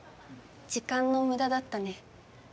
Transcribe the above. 時間の無駄だったね。